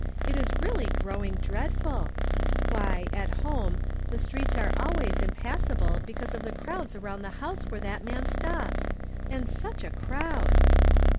It is really growing dreadful ! Why, at home, the streets are sometimes impassa "THERE rS NO nEAl 125 ble because of the crowds around tlie house where that man stops. And such a crowd